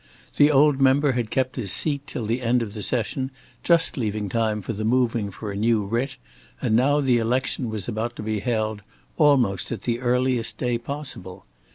The old member had kept his seat till the end of the session, just leaving time for the moving for a new writ, and now the election was about to be held, almost at the earliest day possible.